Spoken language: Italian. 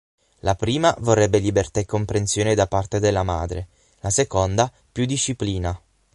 La prima vorrebbe libertà e comprensione da parte della madre, la seconda più disciplina.